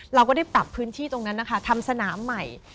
เราก็ได้ปรับพื้นที่ตรงนั้นนะคะทำสนามใหม่